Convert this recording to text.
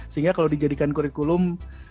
sehingga kalau dijadikan kurikulum